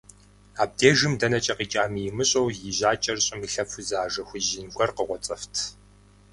Абдежым дэнэкӀэ къикӀами имыщӀэу и жьакӀэр щӀым илъэфу зы ажэ хужь ин гуэр къыкъуоцӀэфт.